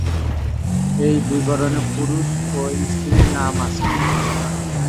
এই বিবরণে পুরুষ ও স্ত্রী নাম আছে।